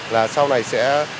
là sau này sẽ